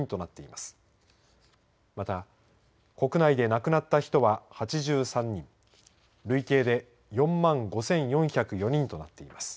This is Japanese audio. また、国内で亡くなった人は８３人累計で４万５４０４人となっています。